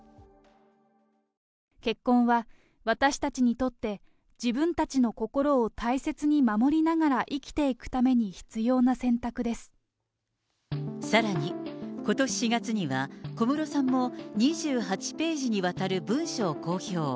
結婚は私たちにとって自分たちの心を大切に守りながら生きてさらに、ことし４月には、小室さんも２８ページにわたる文書を公表。